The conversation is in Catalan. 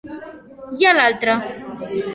I a l'altre?